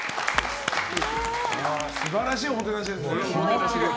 素晴らしいもてなしですね。